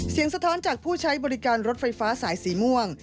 สะท้อนจากผู้ใช้บริการรถไฟฟ้าสายสีม่วง